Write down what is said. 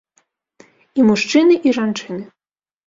І мужчыны, і жанчыны.